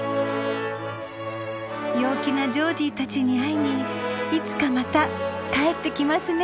陽気なジョーディーたちに会いにいつかまた帰ってきますね。